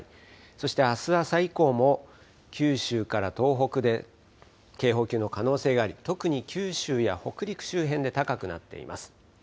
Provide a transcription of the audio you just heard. そしてあす朝以降も九州から東北で警報級の可能性があり、特に九州や北陸周辺で高くなっています。